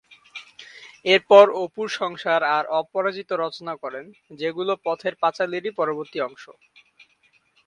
এরপর "অপুর সংসার" আর "অপরাজিত" রচনা করেন, যেগুলো "পথের পাঁচালির"ই পরবর্তী অংশ।